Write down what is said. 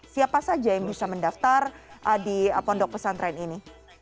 siapa saja yang bisa mendaftar di pondok pesantren ini